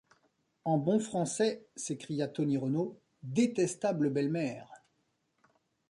En bon français, s’écria Tony Renault, « détestables belles-mères!